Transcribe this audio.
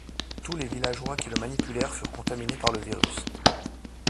Tous les villageois qui le manipulèrent furent contaminés par le virus.